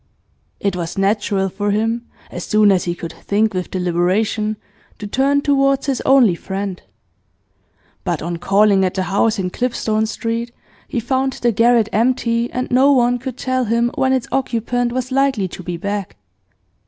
It was natural for him, as soon as he could think with deliberation, to turn towards his only friend. But on calling at the house in Clipstone Street he found the garret empty, and no one could tell him when its occupant was likely to be back.